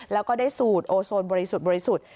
แล้วก็ได้สูดโอโซนบริสุทธิ์